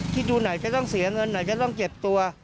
คิดดูไหนก็ต้องเสียเงินไหนก็ต้องเก็บตัว